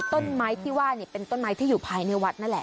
ต้นไม้ที่ว่าเป็นต้นไม้ที่อยู่ภายในวัดนั่นแหละ